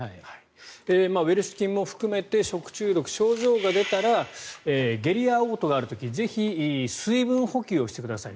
ウエルシュ菌も含めて食中毒、症状が出たら下痢やおう吐がある時ぜひ、水分補給をしてください。